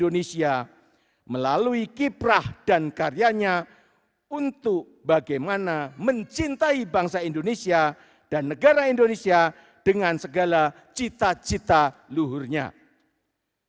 pertama kita akan mencari kemampuan untuk memperoleh kemampuan dan kemampuan yang terbaik untuk memperoleh kemampuan yang terbaik untuk memperoleh kemampuan yang terbaik